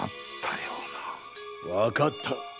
わかった。